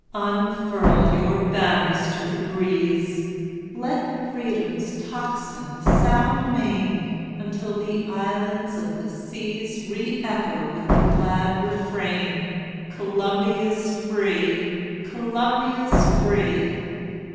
Unfurl your banners to the breeze! Let Freedom's tocsin sound amain, Until the islands of the seas Re echo with the glad refrain! Columbia's free! Columbia's free!